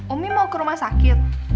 omin mau ke rumah sakit